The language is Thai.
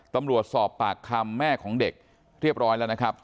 ตำรวจสอบปากคำแม่ของเด็กเรียบร้อยแล้วนะครับ